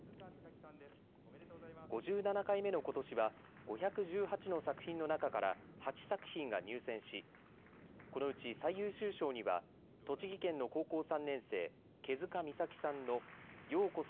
５７回目のことしは５１８の作品の中から８作品が入選しこのうち最優秀賞には栃木県の高校３年生、毛塚光沙季さんのようこそ！